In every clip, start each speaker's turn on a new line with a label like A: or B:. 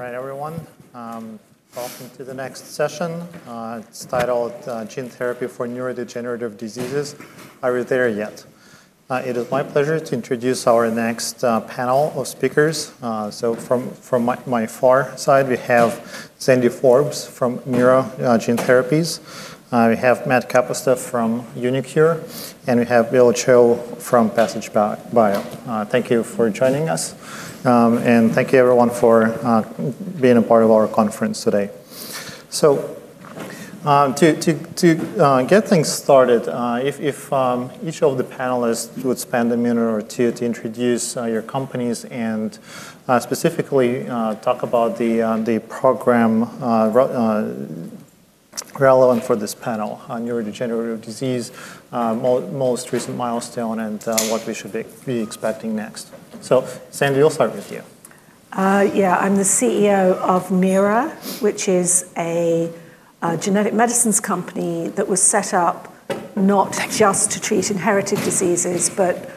A: All right, everyone. Welcome to the next session. It's titled Gene Therapy for Neurodegenerative Diseases. Are you there yet? It is my pleasure to introduce our next panel of speakers. From my far side, we have Zandy Forbes from Meira Gene Therapies. We have Matt Kapusta from uniQure, and we have Will Chou from Passage Bio. Thank you for joining us. Thank you, everyone, for being a part of our conference today. To get things started, if each of the panelists would spend a minute or two to introduce your companies and specifically talk about the program relevant for this panel, neurodegenerative disease, most recent milestone, and what we should be expecting next. Zandy, I'll start with you.
B: Yeah, I'm the CEO of Meira, which is a genetic medicines company that was set up not just to treat inherited diseases, but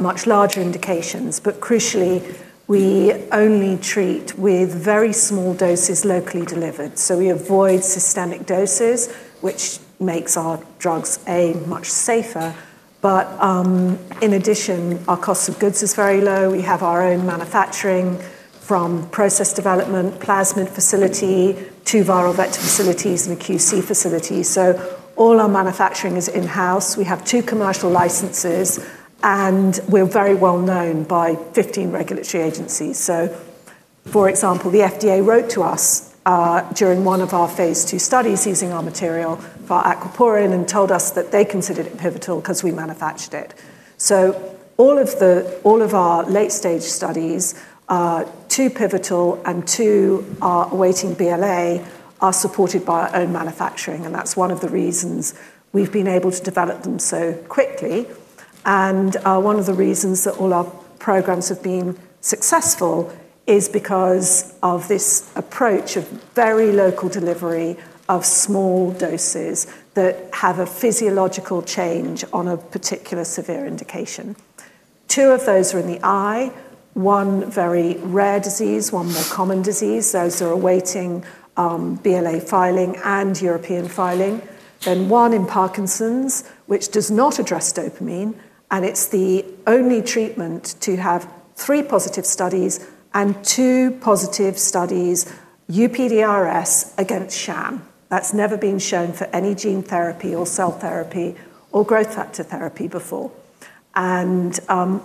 B: much larger indications. Crucially, we only treat with very small doses locally delivered. We avoid systemic doses, which makes our drugs, A, much safer. In addition, our cost of goods is very low. We have our own manufacturing from process development, plasmid facility, to viral vector facilities, and the QC facility. All our manufacturing is in-house. We have two commercial licenses, and we're very well known by 15 regulatory agencies. For example, the FDA wrote to us during one of our phase II studies using our material for Aquaporin and told us that they considered it pivotal because we manufactured it. All of our late-stage studies, two pivotal and two awaiting BLA, are supported by our own manufacturing. That's one of the reasons we've been able to develop them so quickly. One of the reasons that all our programs have been successful is because of this approach of very local delivery of small doses that have a physiological change on a particular severe indication. Two of those are in the eye, one very rare disease, one more common disease. Those are awaiting BLA filing and European filing. One in Parkinson's, which does not address dopamine, is the only treatment to have three positive studies and two positive studies UPDRS against sham. That's never been shown for any gene therapy or cell therapy or growth factor therapy before.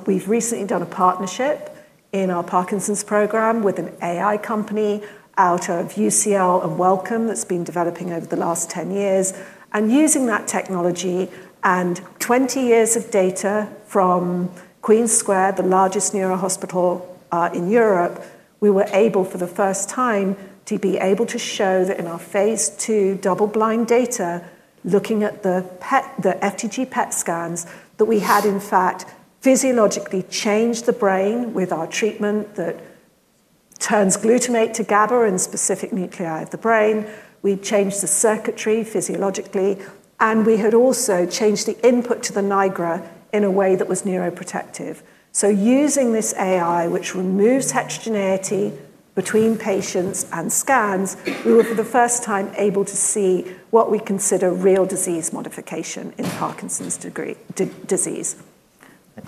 B: We've recently done a partnership in our Parkinson's program with an AI company out of UCL and Wellcome that's been developing over the last 10 years. Using that technology and 20 years of data from Queen's Square, the largest neuro-hospital in Europe, we were able for the first time to be able to show that in our phase II double-blind data, looking at the FDG PET scans, we had, in fact, physiologically changed the brain with our treatment that turns glutamate to GABA in specific nuclei of the brain. We changed the circuitry physiologically, and we had also changed the input to the Nigra in a way that was neuroprotective. Using this AI, which removes heterogeneity between patients and scans, we were for the first time able to see what we consider real disease modification in Parkinson's disease.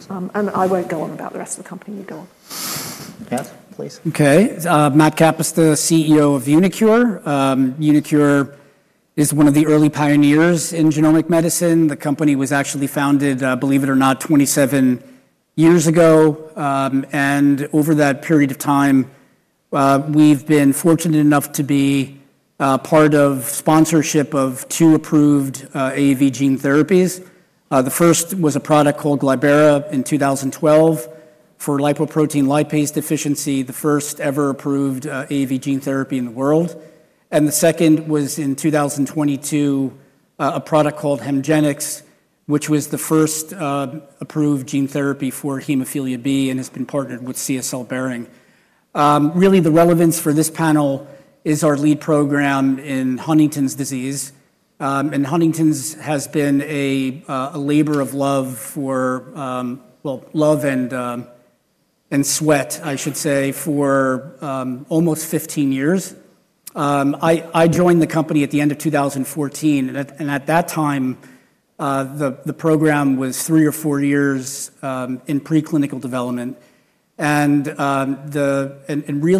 B: I won't go on about the rest of the company. You go on.
A: Yes, please.
C: OK. Matt Kapusta, CEO of uniQure. uniQure is one of the early pioneers in genomic medicine. The company was actually founded, believe it or not, 27 years ago. Over that period of time, we've been fortunate enough to be part of sponsorship of two approved AAV gene therapies. The first was a product called Glybera in 2012 for lipoprotein lipase deficiency, the first ever approved AAV gene therapy in the world. The second was in 2022, a product called HEMGENIX, which was the first approved gene therapy for hemophilia B and has been partnered with CSL Behring. The relevance for this panel is our lead program in Huntington's disease. Huntington's has been a labor of love, love and sweat, I should say, for almost 15 years. I joined the company at the end of 2014. At that time, the program was three or four years in preclinical development.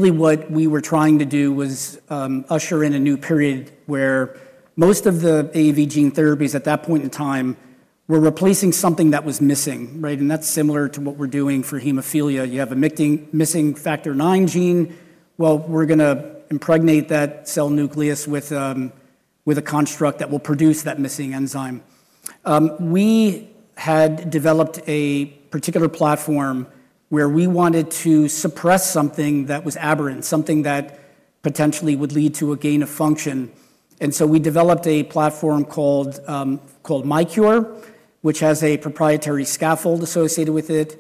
C: What we were trying to do was usher in a new period where most of the AAV gene therapies at that point in time were replacing something that was missing. That's similar to what we're doing for hemophilia. You have a missing factor IX gene. We're going to impregnate that cell nucleus with a construct that will produce that missing enzyme. We had developed a particular platform where we wanted to suppress something that was aberrant, something that potentially would lead to a gain of function. We developed a platform called miQURE, which has a proprietary scaffold associated with it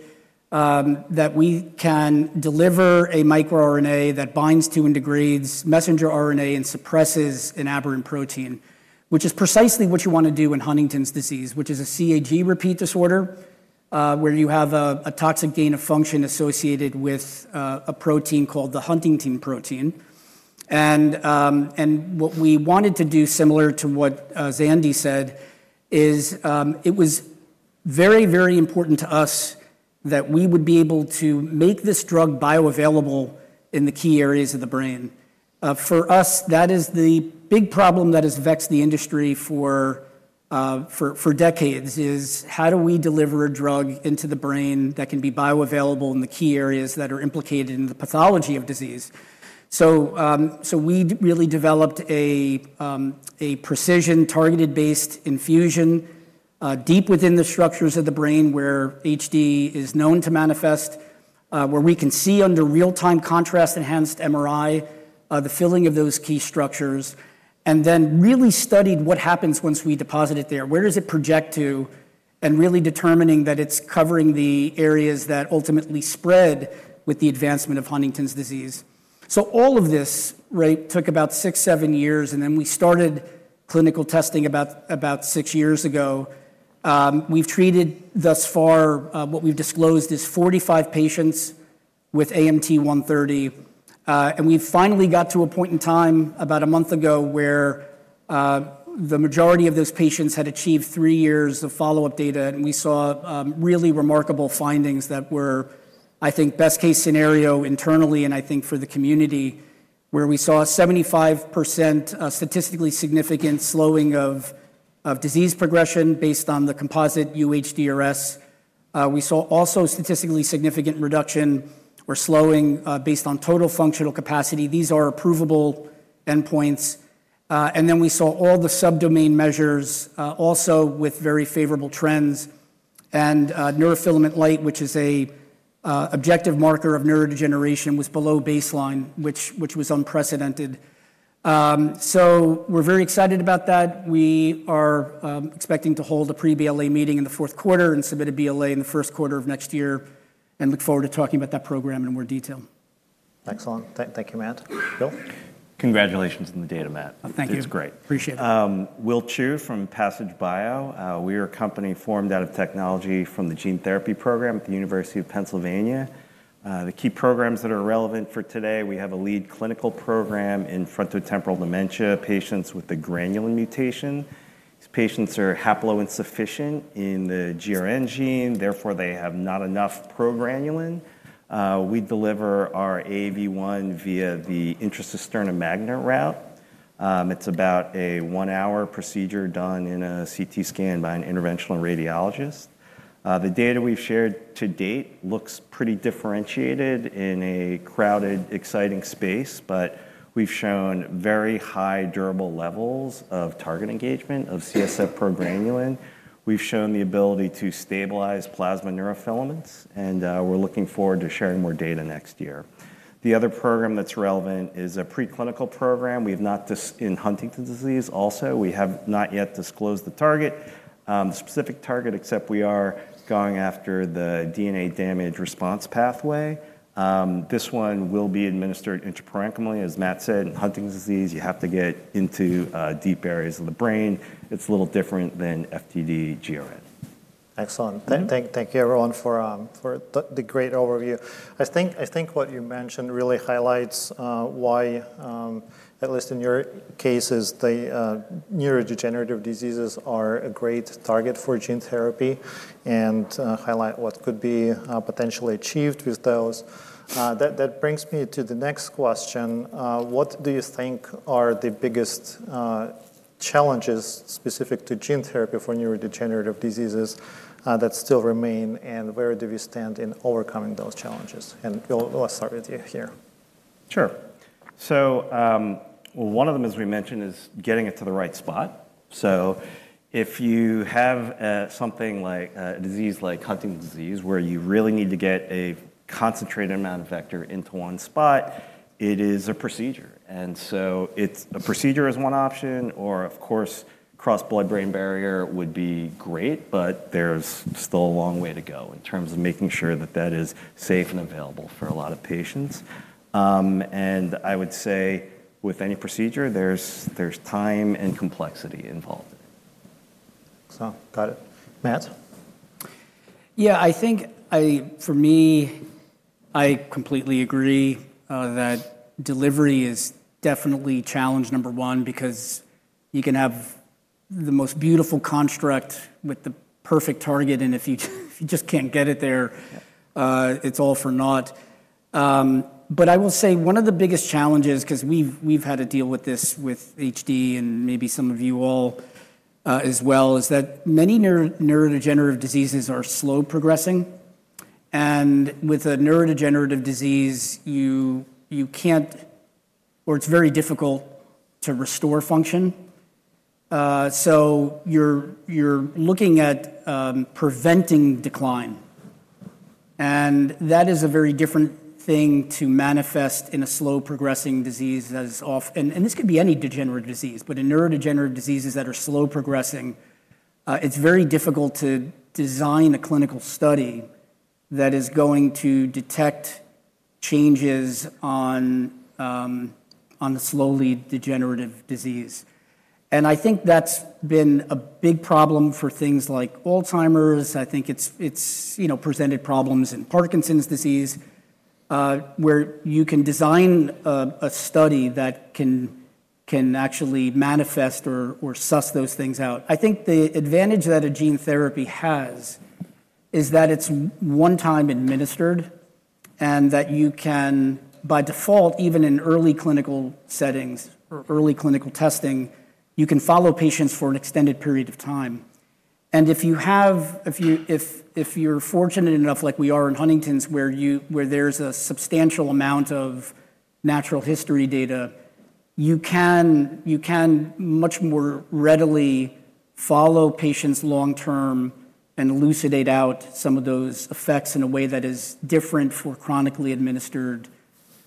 C: that we can deliver a microRNA that binds to and degrades messenger RNA and suppresses an aberrant protein, which is precisely what you want to do in Huntington's disease, which is a CAG repeat disorder where you have a toxic gain of function associated with a protein called the Huntingtin protein. What we wanted to do, similar to what Zandy said, is it was very, very important to us that we would be able to make this drug bioavailable in the key areas of the brain. For us, that is the big problem that has vexed the industry for decades, is how do we deliver a drug into the brain that can be bioavailable in the key areas that are implicated in the pathology of disease? We really developed a precision targeted-based infusion deep within the structures of the brain where HD is known to manifest, where we can see under real-time contrast-enhanced MRI the filling of those key structures, and then really studied what happens once we deposit it there. Where does it project to? Really determining that it's covering the areas that ultimately spread with the advancement of Huntington's disease. All of this took about six, seven years. We started clinical testing about six years ago. We've treated thus far, what we've disclosed is 45 patients with AMT-130. We finally got to a point in time about a month ago where the majority of those patients had achieved three years of follow-up data. We saw really remarkable findings that were, I think, best case scenario internally and I think for the community, where we saw a 75% statistically significant slowing of disease progression based on the composite UHDRS. We saw also a statistically significant reduction or slowing based on total functional capacity. These are provable endpoints. We saw all the subdomain measures also with very favorable trends. Neurofilament light, which is an objective marker of neurodegeneration, was below baseline, which was unprecedented. We are very excited about that. We are expecting to hold a pre-BLA meeting in the fourth quarter and submit a BLA in the first quarter of next year and look forward to talking about that program in more detail.
A: Excellent. Thank you, Matt. Will?
D: Congratulations on the data, Matt.
C: Thank you.
D: It's great.
C: Appreciate it.
D: Will Chou from Passage Bio. We are a company formed out of technology from the Gene Therapy Program at the University of Pennsylvania. The key programs that are relevant for today, we have a lead clinical program in frontotemporal dementia patients with the GRN mutation. These patients are haploinsufficient in the GRN gene. Therefore, they have not enough progranulin. We deliver our AAV1 via the intracisterna magna route. It's about a one-hour procedure done in a CT scan by an interventional radiologist. The data we've shared to date looks pretty differentiated in a crowded, exciting space. We've shown very high durable levels of target engagement of CSF progranulin. We've shown the ability to stabilize plasma neurofilaments. We're looking forward to sharing more data next year. The other program that's relevant is a preclinical program. We have in Huntington's disease also. We have not yet disclosed the specific target, except we are going after the DNA damage response pathway. This one will be administered intraparenchymally, as Matt said. In Huntington's disease, you have to get into deep areas of the brain. It's a little different than FTD GRN.
A: Excellent. Thank you, everyone, for the great overview. I think what you mentioned really highlights why, at least in your cases, the neurodegenerative diseases are a great target for gene therapy and highlight what could be potentially achieved with those. That brings me to the next question. What do you think are the biggest challenges specific to gene therapy for neurodegenerative diseases that still remain? Where do we stand in overcoming those challenges? We'll start with you here.
D: Sure. One of them, as we mentioned, is getting it to the right spot. If you have something like a disease like Huntington’s disease where you really need to get a concentrated amount of vector into one spot, it is a procedure. A procedure is one option. Of course, cross-blood-brain barrier would be great. There’s still a long way to go in terms of making sure that that is safe and available for a lot of patients. I would say with any procedure, there’s time and complexity involved.
A: Excellent. Got it. Matt?
C: Yeah, I think for me, I completely agree that delivery is definitely challenge number one because you can have the most beautiful construct with the perfect target, and if you just can't get it there, it's all for naught. I will say one of the biggest challenges, because we've had to deal with this with HD and maybe some of you all as well, is that many neurodegenerative diseases are slow progressing. With a neurodegenerative disease, you can't, or it's very difficult to restore function, so you're looking at preventing decline. That is a very different thing to manifest in a slow progressing disease. This could be any degenerative disease, but in neurodegenerative diseases that are slow progressing, it's very difficult to design a clinical study that is going to detect changes on a slowly degenerative disease. I think that's been a big problem for things like Alzheimer's. I think it's presented problems in Parkinson's disease, where you can design a study that can actually manifest or suss those things out. I think the advantage that a gene therapy has is that it's one time administered and that you can, by default, even in early clinical settings or early clinical testing, you can follow patients for an extended period of time. If you're fortunate enough, like we are in Huntington's, where there's a substantial amount of natural history data, you can much more readily follow patients long term and elucidate out some of those effects in a way that is different for chronically administered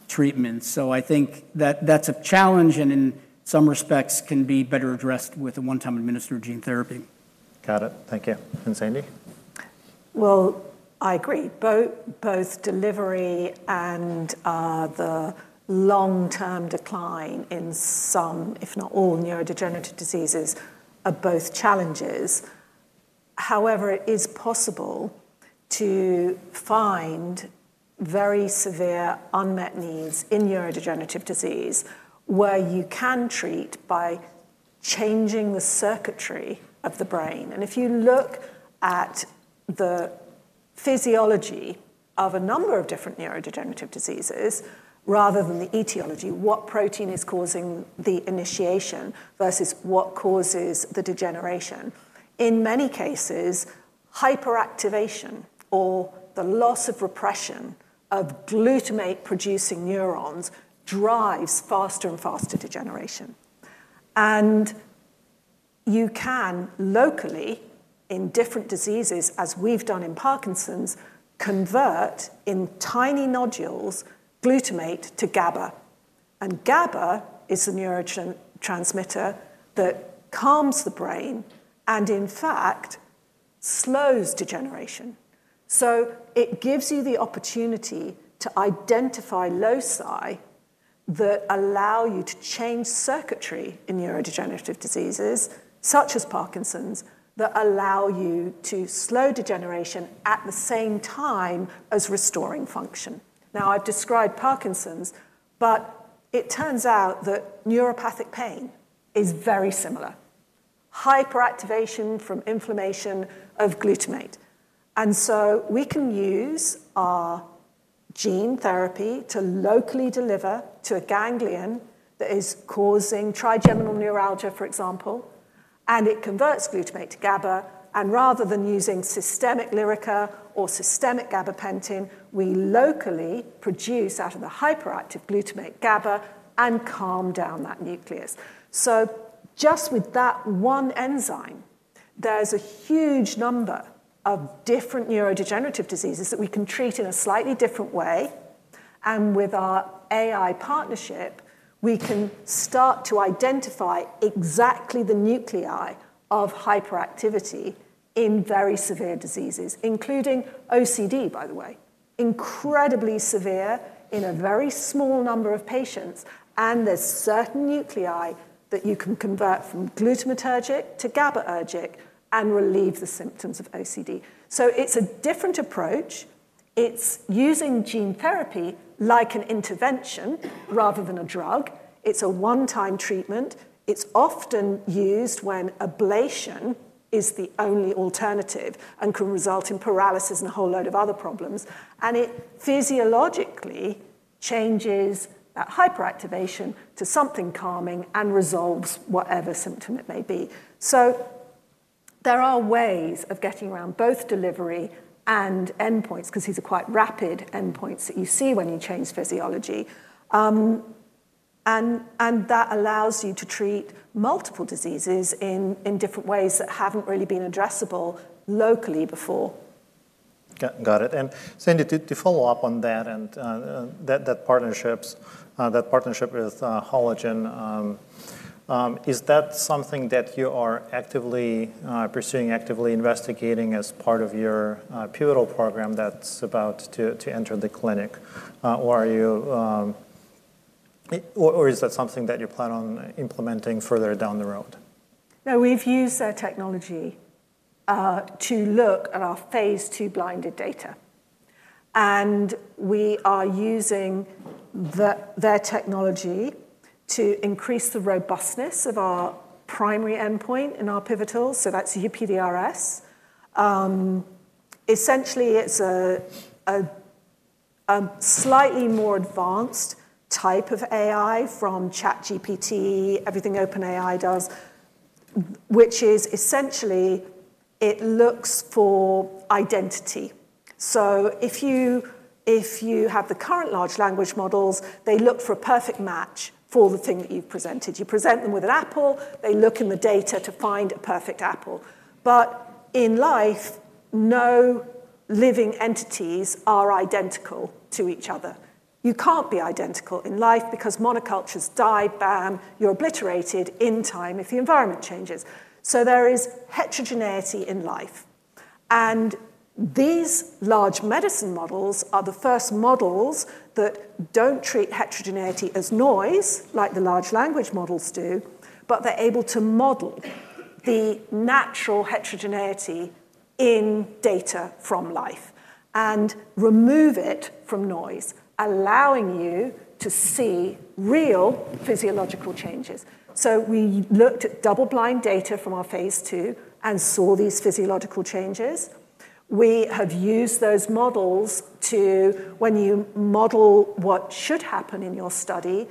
C: treatments. I think that that's a challenge. In some respects, it can be better addressed with a one-time administered gene therapy.
A: Got it. Thank you. Zandy?
B: I agree. Both delivery and the long-term decline in some, if not all, neurodegenerative diseases are both challenges. However, it is possible to find very severe unmet needs in neurodegenerative disease where you can treat by changing the circuitry of the brain. If you look at the physiology of a number of different neurodegenerative diseases, rather than the etiology, what protein is causing the initiation versus what causes the degeneration, in many cases, hyperactivation or the loss of repression of glutamate-producing neurons drives faster and faster degeneration. You can locally, in different diseases, as we've done in Parkinson's, convert in tiny nodules glutamate to GABA. GABA is a neurotransmitter that calms the brain and, in fact, slows degeneration. It gives you the opportunity to identify loci that allow you to change circuitry in neurodegenerative diseases, such as Parkinson's, that allow you to slow degeneration at the same time as restoring function. I've described Parkinson's. It turns out that neuropathic pain is very similar, hyperactivation from inflammation of glutamate. We can use our gene therapy to locally deliver to a ganglion that is causing trigeminal neuralgia, for example. It converts glutamate to GABA. Rather than using systemic Lyrica or systemic gabapentin, we locally produce out of the hyperactive glutamate GABA and calm down that nucleus. Just with that one enzyme, there's a huge number of different neurodegenerative diseases that we can treat in a slightly different way. With our AI partnership, we can start to identify exactly the nuclei of hyperactivity in very severe diseases, including OCD, by the way, incredibly severe in a very small number of patients. There are certain nuclei that you can convert from glutamatergic to GABAergic and relieve the symptoms of OCD. It's a different approach. It's using gene therapy like an intervention rather than a drug. It's a one-time treatment. It's often used when ablation is the only alternative and can result in paralysis and a whole load of other problems. It physiologically changes that hyperactivation to something calming and resolves whatever symptom it may be. There are ways of getting around both delivery and endpoints, because these are quite rapid endpoints that you see when you change physiology. That allows you to treat multiple diseases in different ways that haven't really been addressable locally before.
A: Got it. Zandy, to follow up on that and that partnership with Halogen, is that something that you are actively pursuing, actively investigating as part of your pivotal program that's about to enter the clinic? Is that something that you plan on implementing further down the road?
B: No, we've used their technology to look at our phase II blinded data. We are using their technology to increase the robustness of our primary endpoint in our pivotal. That's UPDRS. Essentially, it's a slightly more advanced type of AI from ChatGPT, everything OpenAI does, which is essentially it looks for identity. If you have the current large language models, they look for a perfect match for the thing that you've presented. You present them with an apple. They look in the data to find a perfect apple. In life, no living entities are identical to each other. You can't be identical in life because monocultures die, bam, you're obliterated in time if the environment changes. There is heterogeneity in life. These large medicine models are the first models that don't treat heterogeneity as noise, like the large language models do. They're able to model the natural heterogeneity in data from life and remove it from noise, allowing you to see real physiological changes. We looked at double-blind data from our phase II and saw these physiological changes. We have used those models to, when you model what should happen in your study,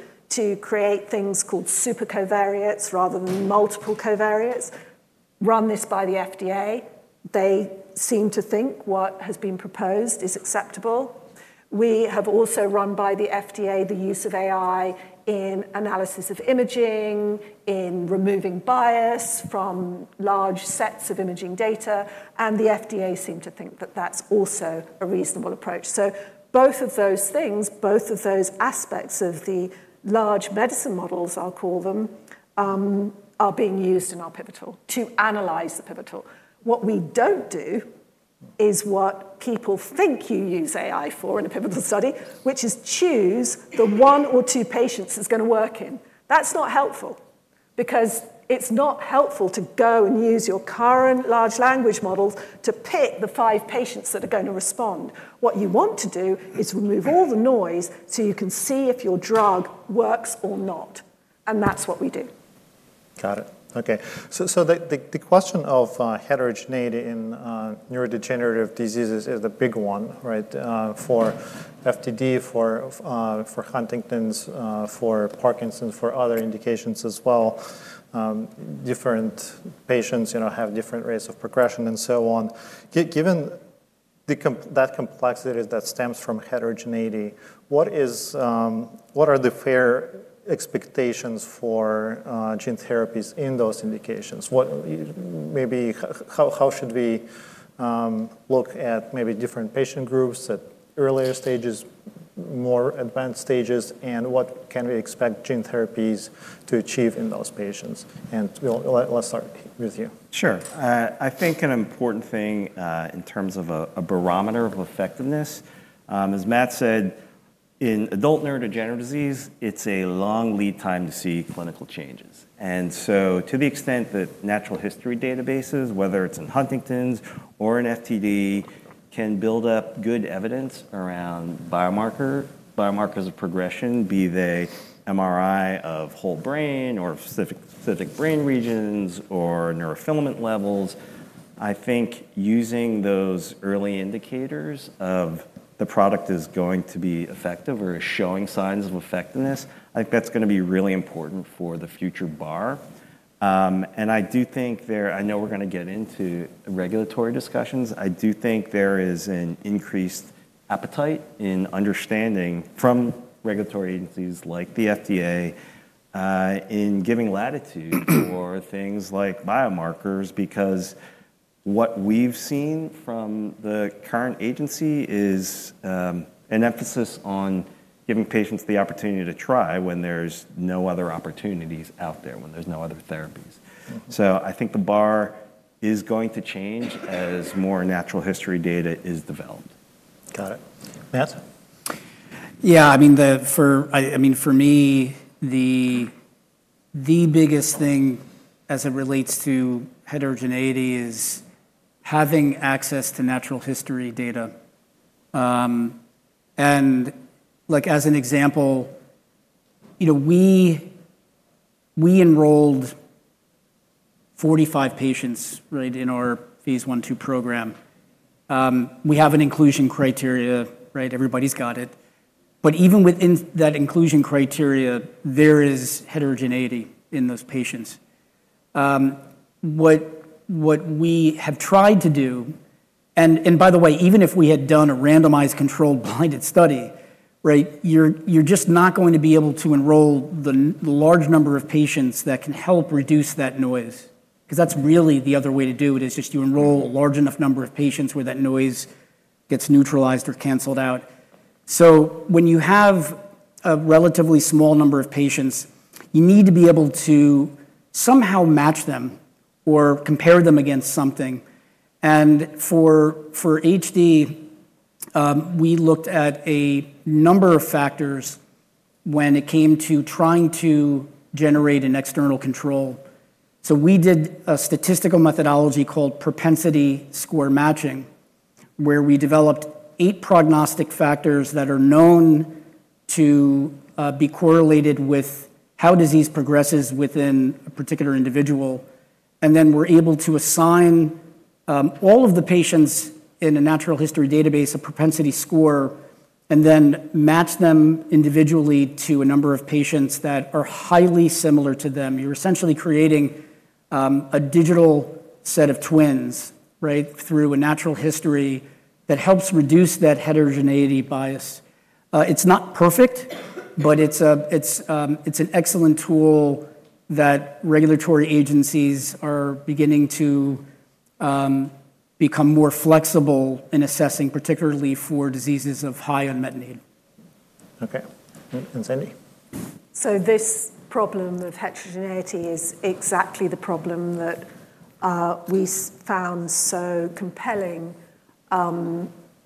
B: create things called supercovariates rather than multiple covariates. We ran this by the FDA. They seem to think what has been proposed is acceptable. We have also run by the FDA the use of AI in analysis of imaging, in removing bias from large sets of imaging data. The FDA seemed to think that that's also a reasonable approach. Both of those things, both of those aspects of the large medicine models, I'll call them, are being used in our pivotal to analyze the pivotal. What we don't do is what people think you use AI for in a pivotal study, which is choose the one or two patients it's going to work in. That's not helpful because it's not helpful to go and use your current large language models to pick the five patients that are going to respond. What you want to do is remove all the noise so you can see if your drug works or not. That's what we do.
A: Got it. OK. The question of heterogeneity in neurodegenerative diseases is the big one, right, for FTD, for Huntington's, for Parkinson's, for other indications as well. Different patients have different rates of progression and so on. Given that complexity that stems from heterogeneity, what are the fair expectations for gene therapies in those indications? Maybe how should we look at different patient groups at earlier stages, more advanced stages? What can we expect gene therapies to achieve in those patients? Let us start with you.
D: Sure. I think an important thing in terms of a barometer of effectiveness, as Matt said, in adult neurodegenerative disease, it's a long lead time to see clinical changes. To the extent that natural history datasets, whether it's in Huntington's or in FTD, can build up good evidence around biomarkers of progression, be they MRI of whole brain or specific brain regions or neurofilament levels, I think using those early indicators of the product is going to be effective or is showing signs of effectiveness, that's going to be really important for the future bar. I do think there, I know we're going to get into regulatory discussions. I do think there is an increased appetite in understanding from regulatory agencies like the FDA in giving latitude for things like biomarkers. What we've seen from the current agency is an emphasis on giving patients the opportunity to try when there's no other opportunities out there, when there's no other therapies. I think the bar is going to change as more natural history data is developed.
A: Got it. Matt?
C: Yeah, I mean, for me, the biggest thing as it relates to heterogeneity is having access to natural history data. As an example, we enrolled 45 patients in our phase I two program. We have an inclusion criteria. Everybody's got it. Even within that inclusion criteria, there is heterogeneity in those patients. What we have tried to do, by the way, even if we had done a randomized controlled blinded study, you're just not going to be able to enroll the large number of patients that can help reduce that noise. That's really the other way to do it, you enroll a large enough number of patients where that noise gets neutralized or canceled out. When you have a relatively small number of patients, you need to be able to somehow match them or compare them against something. For HD, we looked at a number of factors when it came to trying to generate an external control. We did a statistical methodology called propensity-score matching, where we developed eight prognostic factors that are known to be correlated with how disease progresses within a particular individual. Then we're able to assign all of the patients in a natural history database a propensity score and then match them individually to a number of patients that are highly similar to them. You're essentially creating a digital set of twins through a natural history that helps reduce that heterogeneity bias. It's not perfect, but it's an excellent tool that regulatory agencies are beginning to become more flexible in assessing, particularly for diseases of high unmet need.
A: OK. Zandy?
B: This problem of heterogeneity is exactly the problem that we found so compelling to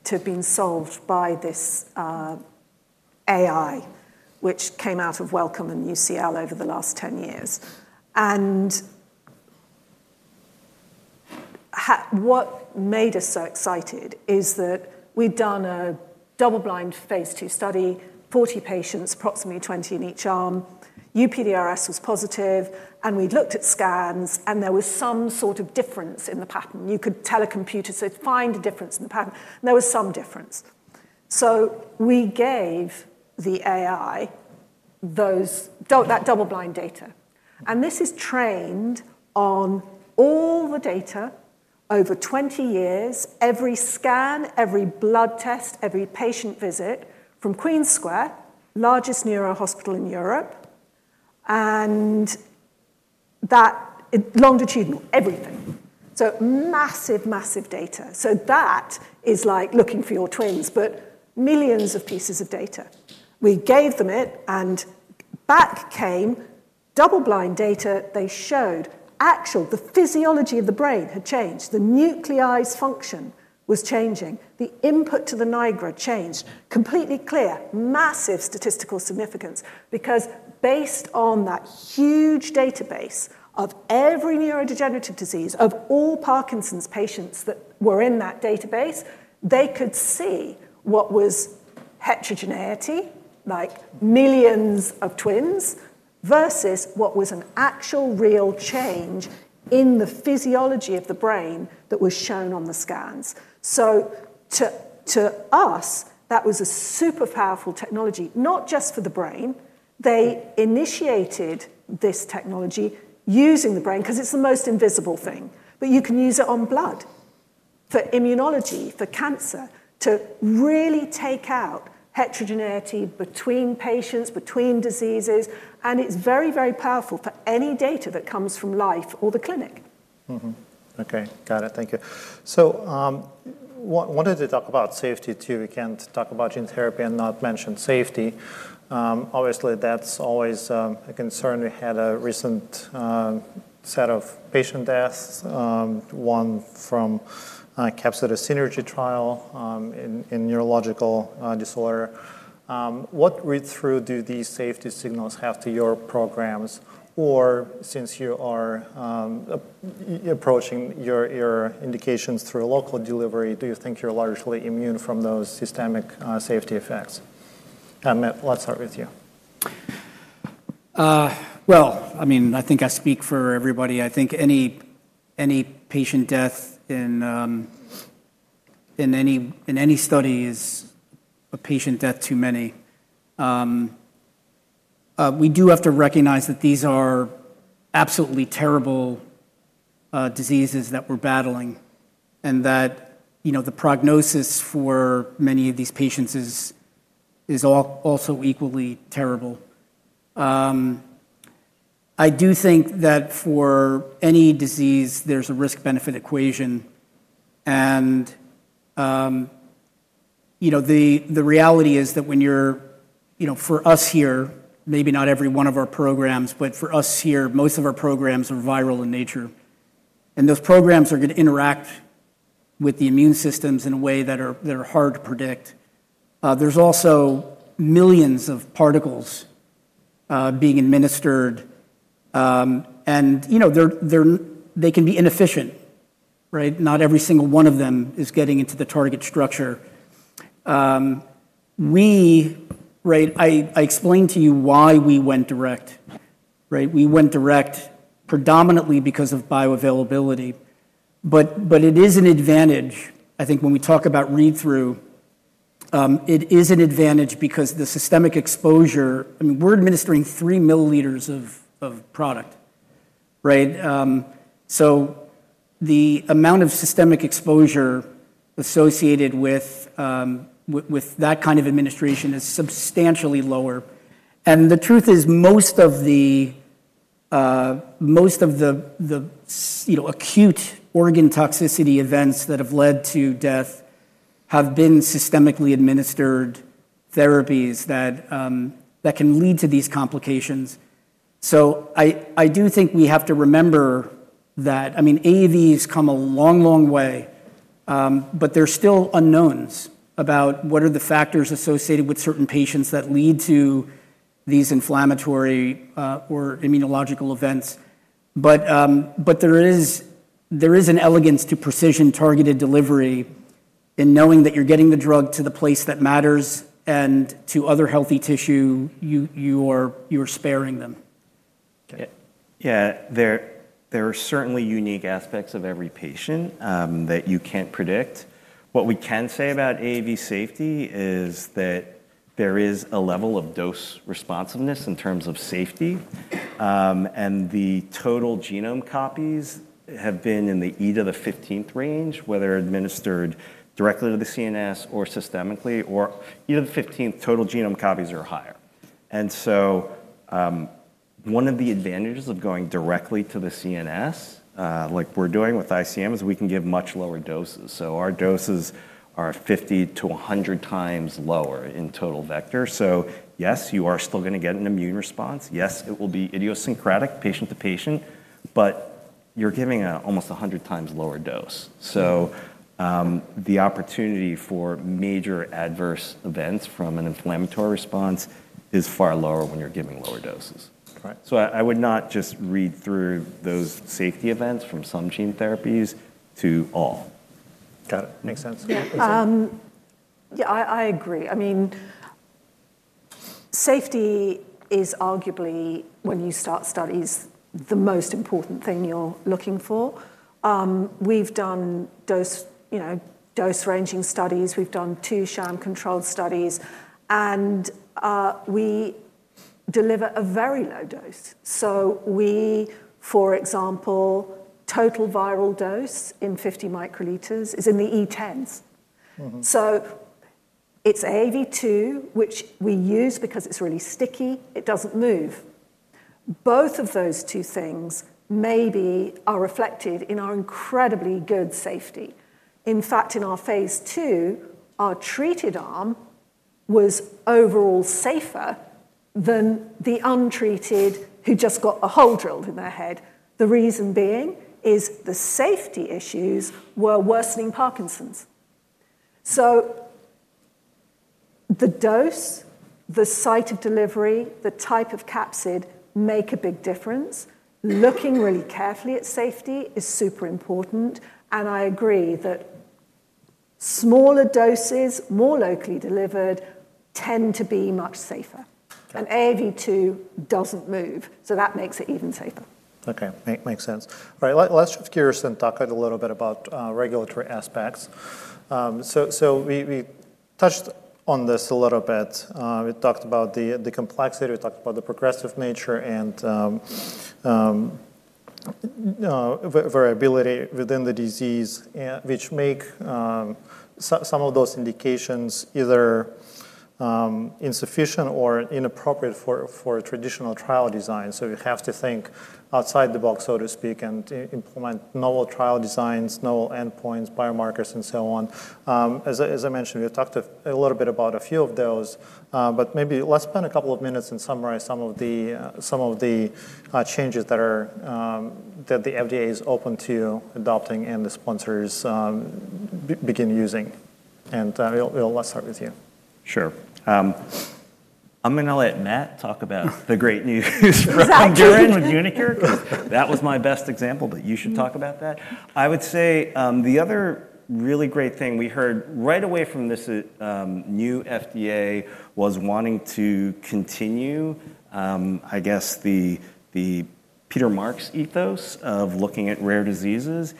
B: have been solved by this AI, which came out of Wellcome and UCL over the last 10 years. What made us so excited is that we'd done a double-blind phase II study, 40 patients, approximately 20 in each arm. UPDRS was positive. We looked at scans, and there was some sort of difference in the pattern. You could tell a computer to find a difference in the pattern, and there was some difference. We gave the AI that double-blind data. This is trained on all the data over 20 years, every scan, every blood test, every patient visit from Queen's Square, largest neurohospital in Europe, and longitudinal, everything. Massive, massive data. That is like looking for your twins, but millions of pieces of data. We gave them it, and back came double-blind data. They showed actually the physiology of the brain had changed. The nuclei's function was changing. The input to the Nigra changed. Completely clear, massive statistical significance. Based on that huge database of every neurodegenerative disease of all Parkinson's patients that were in that database, they could see what was heterogeneity, like millions of twins, versus what was an actual real change in the physiology of the brain that was shown on the scans. To us, that was a super powerful technology, not just for the brain. They initiated this technology using the brain because it's the most invisible thing, but you can use it on blood, for immunology, for cancer, to really take out heterogeneity between patients, between diseases. It's very, very powerful for any data that comes from life or the clinic.
A: OK. Got it. Thank you. I wanted to talk about safety too. We can't talk about gene therapy and not mention safety. Obviously, that's always a concern. We had a recent set of patient deaths, one from a capsular synergy trial in neurological disorder. What read-through do these safety signals have to your programs? Since you are approaching your indications through a local delivery, do you think you're largely immune from those systemic safety effects? Matt, let's start with you.
C: I think I speak for everybody. I think any patient death in any study is a patient death too many. We do have to recognize that these are absolutely terrible diseases that we're battling and that the prognosis for many of these patients is also equally terrible. I do think that for any disease, there's a risk-benefit equation. The reality is that when you're, for us here, maybe not every one of our programs, but for us here, most of our programs are viral in nature. Those programs are going to interact with the immune systems in a way that are hard to predict. There's also millions of particles being administered, and they can be inefficient. Not every single one of them is getting into the target structure. I explained to you why we went direct. We went direct predominantly because of bioavailability. It is an advantage, I think, when we talk about read-through. It is an advantage because the systemic exposure, I mean, we're administering 3 ml of product. The amount of systemic exposure associated with that kind of administration is substantially lower. The truth is most of the acute organ toxicity events that have led to death have been systemically administered therapies that can lead to these complications. I do think we have to remember that AAVs come a long, long way, but there's still unknowns about what are the factors associated with certain patients that lead to these inflammatory or immunological events. There is an elegance to precision-targeted delivery in knowing that you're getting the drug to the place that matters and to other healthy tissue, you are sparing them.
D: Yeah, there are certainly unique aspects of every patient that you can't predict. What we can say about AAV safety is that there is a level of dose responsiveness in terms of safety. The total genome copies have been in the 10^15 range, whether administered directly to the CNS or systemically. If total genome copies are higher, one of the advantages of going directly to the CNS, like we're doing with ICM, is we can give much lower doses. Our doses are 50x to 100x lower in total vector. Yes, you are still going to get an immune response. Yes, it will be idiosyncratic, patient to patient. You're giving almost 100x lower dose. The opportunity for major adverse events from an inflammatory response is far lower when you're giving lower doses. I would not just read through those safety events from some gene therapies to all.
A: Got it. Makes sense.
B: Yeah, I agree. I mean, safety is arguably, when you start studies, the most important thing you're looking for. We've done dose-ranging studies. We've done two sham-controlled studies. We deliver a very low dose. For example, total viral dose in 50 μL is in the E10s. It's AAV2, which we use because it's really sticky. It doesn't move. Both of those two things maybe are reflected in our incredibly good safety. In fact, in our phase II, our treated arm was overall safer than the untreated who just got a hole drilled in their head. The reason being is the safety issues were worsening Parkinson's. The dose, the site of delivery, the type of capsid make a big difference. Looking really carefully at safety is super important. I agree that smaller doses, more locally delivered, tend to be much safer. AAV2 doesn't move. That makes it even safer.
A: OK. Makes sense. All right, let's shift gears and talk a little bit about regulatory aspects. We touched on this a little bit. We talked about the complexity. We talked about the progressive nature and variability within the disease, which make some of those indications either insufficient or inappropriate for traditional trial design. We have to think outside the box, so to speak, and implement novel trial designs, novel endpoints, biomarkers, and so on. As I mentioned, we talked a little bit about a few of those. Maybe let's spend a couple of minutes and summarize some of the changes that the FDA is open to adopting and the sponsors begin using. Let's start with you.
D: Sure. I'm going to let Matt talk about the great news from Gary from uniQure. That was my best example. You should talk about that. I would say the other really great thing we heard right away from this new FDA was wanting to continue, I guess, the Peter Marks ethos of looking at rare diseases.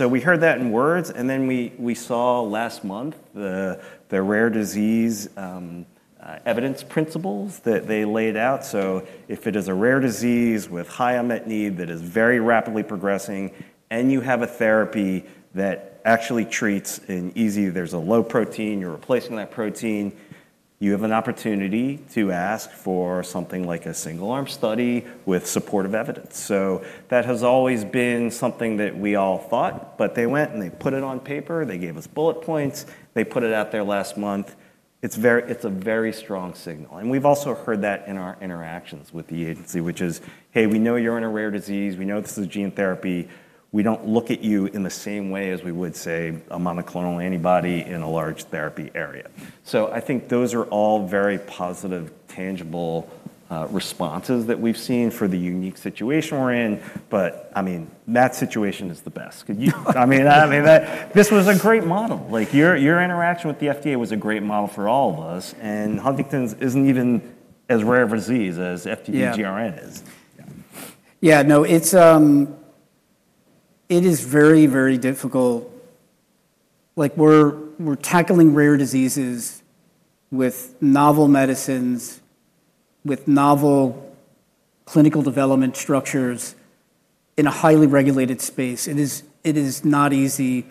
D: We heard that in words, and then we saw last month the rare disease evidence principles that they laid out. If it is a rare disease with high unmet need that is very rapidly progressing and you have a therapy that actually treats an easy, there's a low protein, you're replacing that protein, you have an opportunity to ask for something like a single-arm study with supportive evidence. That has always been something that we all thought. They went and they put it on paper. They gave us bullet points. They put it out there last month. It's a very strong signal. We've also heard that in our interactions with the agency, which is, hey, we know you're in a rare disease. We know this is gene therapy. We don't look at you in the same way as we would, say, a monoclonal antibody in a large therapy area. I think those are all very positive, tangible responses that we've seen for the unique situation we're in. I mean, Matt's situation is the best. This was a great model. Your interaction with the FDA was a great model for all of us. Huntington's isn't even as rare a disease as frontotemporal dementia with GRN mutations is.
C: Yeah, no, it is very, very difficult. We're tackling rare diseases with novel medicines, with novel clinical development structures in a highly regulated space. It is not easy.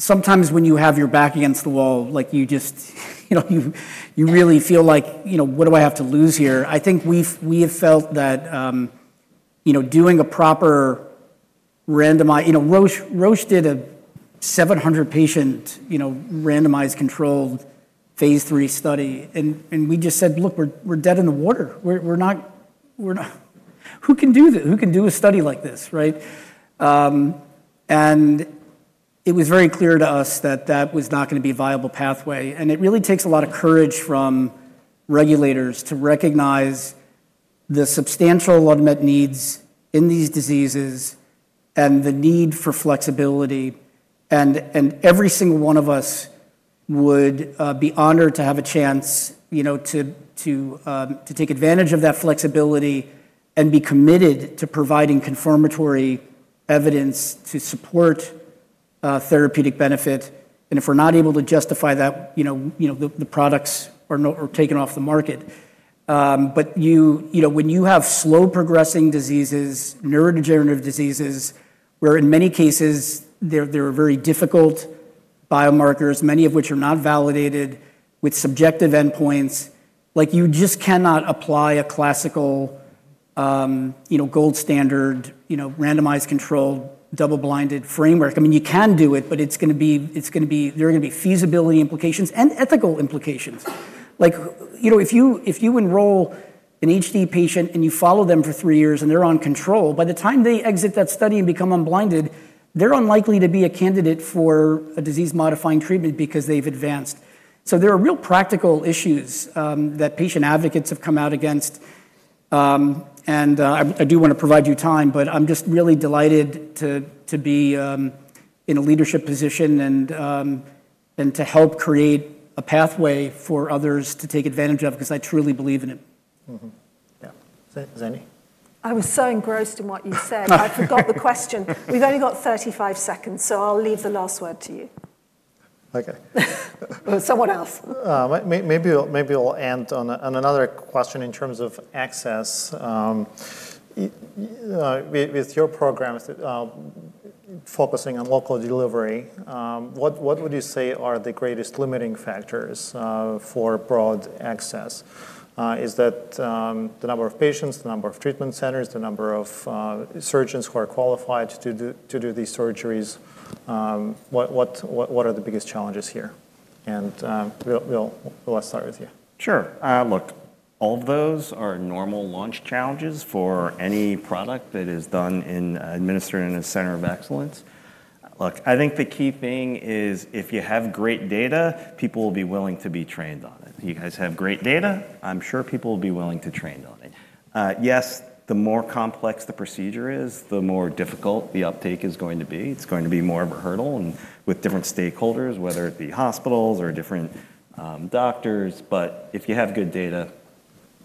C: Sometimes when you have your back against the wall, you really feel like, what do I have to lose here? I think we have felt that doing a proper randomized, Roche did a 700-patient randomized controlled phase III study. We just said, look, we're dead in the water. Who can do a study like this? It was very clear to us that that was not going to be a viable pathway. It really takes a lot of courage from regulators to recognize the substantial unmet needs in these diseases and the need for flexibility. Every single one of us would be honored to have a chance to take advantage of that flexibility and be committed to providing confirmatory evidence to support therapeutic benefit. If we're not able to justify that, the products are taken off the market. When you have slow progressing diseases, neurodegenerative diseases, where in many cases there are very difficult biomarkers, many of which are not validated with subjective endpoints, you just cannot apply a classical gold standard randomized controlled double-blinded framework. I mean, you can do it. There are going to be feasibility implications and ethical implications. If you enroll an HD patient and you follow them for three years and they're on control, by the time they exit that study and become unblinded, they're unlikely to be a candidate for a disease-modifying treatment because they've advanced. There are real practical issues that patient advocates have come out against. I do want to provide you time. I'm just really delighted to be in a leadership position and to help create a pathway for others to take advantage of because I truly believe in it.
A: Yeah. Zandy?
B: I was so engrossed in what you said. I forgot the question. We've only got 35 seconds. I'll leave the last word to you.
A: OK.
B: Someone else.
A: Maybe we'll end on another question in terms of access. With your program focusing on local delivery, what would you say are the greatest limiting factors for broad access? Is that the number of patients, the number of treatment centers, the number of surgeons who are qualified to do these surgeries? What are the biggest challenges here? Let's start with you.
D: Sure. All of those are normal launch challenges for any product that is administered in a center of excellence. I think the key thing is if you have great data, people will be willing to be trained on it. If you guys have great data, I'm sure people will be willing to train on it. Yes, the more complex the procedure is, the more difficult the uptake is going to be. It is going to be more of a hurdle with different stakeholders, whether it be hospitals or different doctors. If you have good data,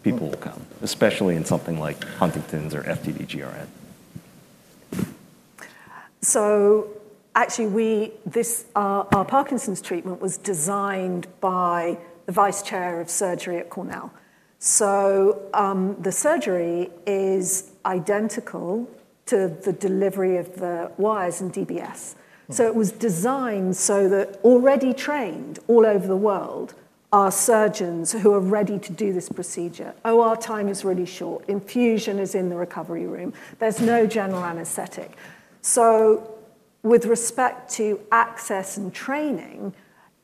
D: people will come, especially in something like Huntington's or frontotemporal dementia with GRN mutations.
B: Our Parkinson's treatment was designed by the Vice Chair of Surgery at Cornell. The surgery is identical to the delivery of the wires and DBS. It was designed so that already trained all over the world are surgeons who are ready to do this procedure. OR time is really short. Infusion is in the recovery room. There's no general anesthetic. With respect to access and training,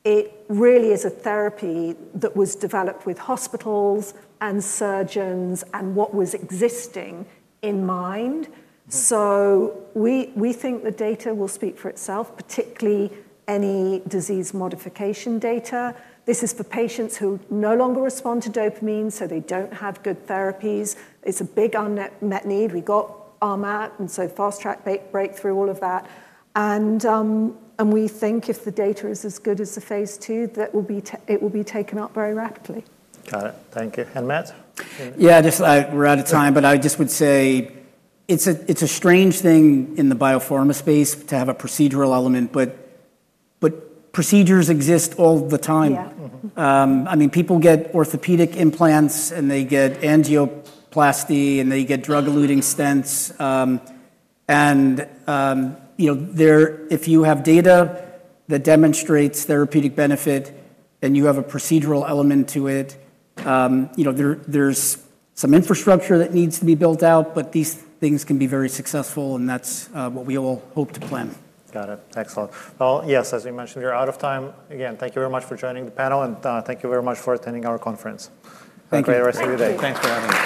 B: it really is a therapy that was developed with hospitals and surgeons and what was existing in mind. We think the data will speak for itself, particularly any disease modification data. This is for patients who no longer respond to dopamine, so they don't have good therapies. It's a big unmet need. We got RMAP and fast track breakthrough, all of that. We think if the data is as good as the phase II, it will be taken up very rapidly.
A: Got it. Thank you. Matt?
C: We're out of time. I just would say it's a strange thing in the biopharma space to have a procedural element. Procedures exist all the time. People get orthopedic implants, and they get angioplasty, and they get drug-eluting stents. If you have data that demonstrates therapeutic benefit and you have a procedural element to it, there's some infrastructure that needs to be built out. These things can be very successful. That's what we all hope to plan.
A: Got it. Excellent. Yes, as we mentioned, we're out of time. Again, thank you very much for joining the panel, and thank you very much for attending our conference. Have a great rest of your day.
C: Thanks for having me.